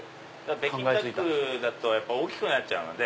北京ダックだと大きくなっちゃうので。